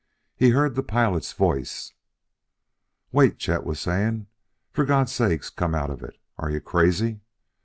He heard the pilot's voice. "Walt!" Chet was saying. "For God's sake come out of it! Are you crazy?